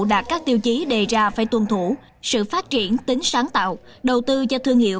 đạt các tiêu chí đề ra phải tuân thủ sự phát triển tính sáng tạo đầu tư cho thương hiệu